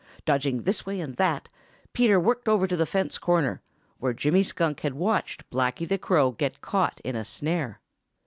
Dodging this way and that way, Peter worked over to the fence corner, where Jimmy Skunk had watched Blacky the Crow get caught in a snare.